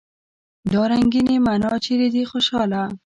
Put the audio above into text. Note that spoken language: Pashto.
دا رنګينې معنی چېرې دي خوشحاله!